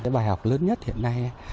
bài học lớn nhất hiện nay